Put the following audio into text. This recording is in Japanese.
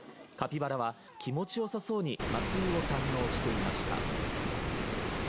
カピバラは気持ちよさそうに松湯を堪能していました。